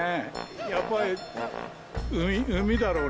やっぱり海だろうね。